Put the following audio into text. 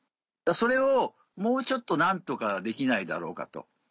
それをもうちょっと何とかできないだろうかと。